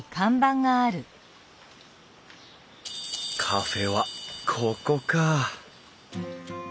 カフェはここか。